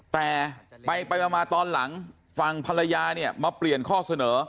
แต่ไปมาตอนหลังฝั่งภรรยาเนี่ยมาเปลี่ยนข้อเสนอ